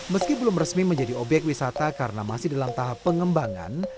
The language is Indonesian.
meski belum resmi menjadi obyek wisata karena masih dalam tahap pengembangan